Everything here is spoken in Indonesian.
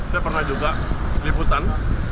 saya pernah juga liputan